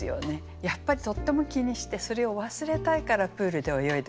やっぱりとっても気にしてそれを忘れたいからプールで泳いでる。